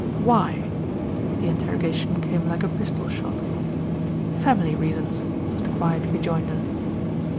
"Why?" The interrogation came like a pistol shot. "Family reasons," was the quiet rejoinder.